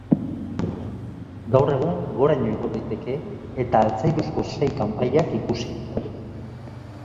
Gaur egun goraino igo daiteke eta altzairuzko sei kanpaiak ikusi.